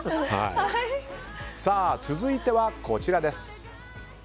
続いては、こちらです。